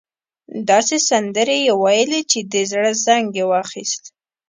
داسې سندرې يې وويلې چې د زړه زنګ يې واخيست.